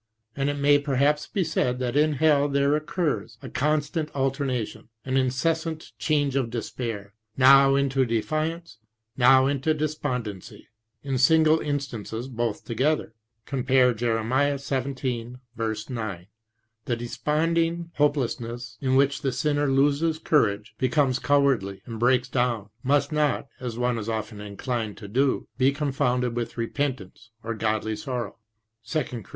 And it may perhaps be said that in hell there occurs a con stant alternation, an incessant change of despair, now into defiance, now into despondency (compare Jer. xvii. 9), in single instances both together. The desponding hopelessness in which the sinner loses courage, becomes cowardly, and breaks down, must not, as one is often inclined to do, be confounded with repentance or godly sorrow (2 Cor.